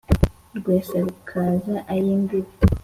Rwesa rukaza ay' imbibi